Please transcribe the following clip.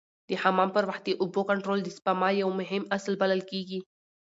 د حمام پر وخت د اوبو کنټرول د سپما یو مهم اصل بلل کېږي.